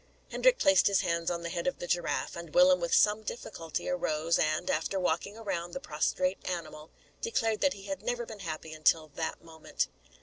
Hendrik placed his hands on the head of the giraffe, and Willem with some difficulty arose, and, after walking around the prostrate animal, declared that he had never been happy until that moment.